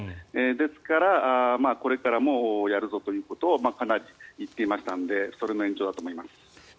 ですからこれからもやるぞということを言っていましたのでそれの延長だと思います。